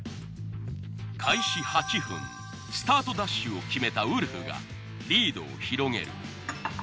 開始８分スタートダッシュを決めたウルフがリードを広げる。